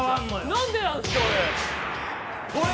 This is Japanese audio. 何でなんですか、これ？